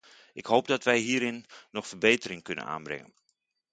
Ik hoop dat wij hierin nog verbetering kunnen aanbrengen.